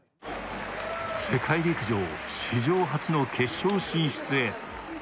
世界陸上史上初の決勝進出へ